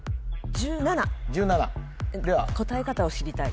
１７では答え方を知りたい